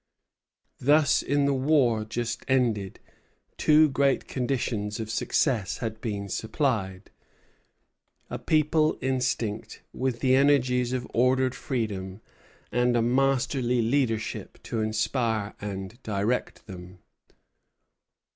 Thus in the war just ended two great conditions of success had been supplied: a people instinct with the energies of ordered freedom, and a masterly leadership to inspire and direct them.